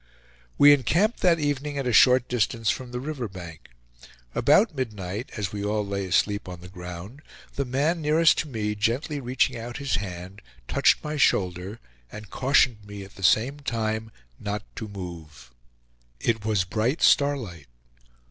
We encamped that evening at a short distance from the river bank. About midnight, as we all lay asleep on the ground, the man nearest to me gently reaching out his hand, touched my shoulder, and cautioned me at the same time not to move. It was bright starlight.